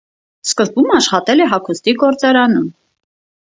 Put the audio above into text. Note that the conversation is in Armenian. Սկզբում աշխատել է հագուստի գործարանում։